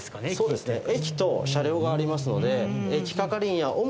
そうですね。